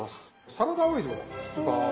サラダオイルを引きます。